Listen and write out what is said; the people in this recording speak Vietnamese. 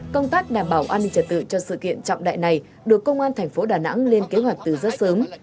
công tác đảm bảo an ninh trật tự cho sự kiện trọng đại này được công an thành phố đà nẵng lên kế hoạch từ rất sớm